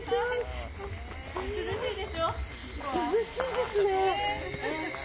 涼しいですね。